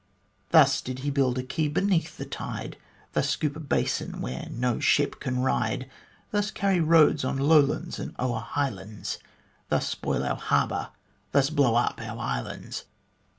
Thus did he build a quay beneath the tide Thus scoop a basin where no ship can ride Thus carry roads on lowlands and o'er highlands Thus spoil our harbour thus blow up our islands."